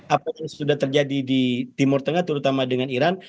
apa yang sudah terjadi di timur tengah terutama dengan iran